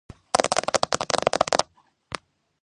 განგრენის გამომწვევი მიზეზი შეიძლება იყოს გარეგანი და შინაგანი.